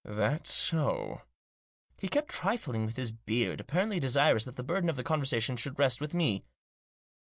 " That so?" He kept trifling with his beard, apparently desirous that the burden of the conversation should rest with me.